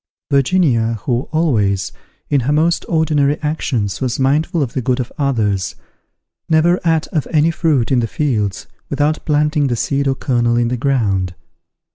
Virginia, who always, in her most ordinary actions, was mindful of the good of others, never ate of any fruit in the fields without planting the seed or kernel in the ground.